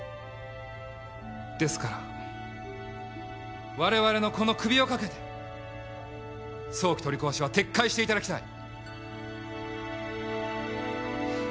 ですからわれわれのこの首を懸けて早期取り壊しは撤回していただきたい。